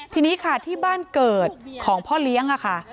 ทีนี้ค่ะที่บ้านเกิดของพ่อเลี้ยงค่ะ